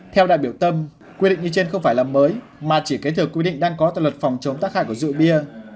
theo đại biểu tâm quy định như trên không phải là mới mà chỉ kế thừa quy định đang có tại luật phòng chống tác hại của rượu bia